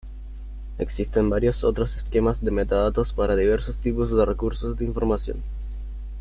Existen varios otros esquemas de metadatos para diversos tipos de recursos de información.